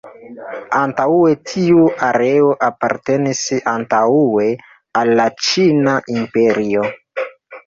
Antaŭe tiu areo apartenis antaŭe al la Ĉina Imperio.